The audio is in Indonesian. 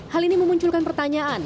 hal ini memunculkan pertanyaan